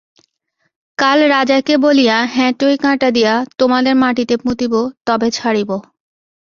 কাল রাজাকে বলিয়া হেঁটোয় কাঁটা দিয়া তোমাদের মাটিতে পুঁতিব তবে ছাড়িব।